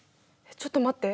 ちょっと待って。